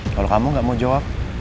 kalau kamu gak mau jawab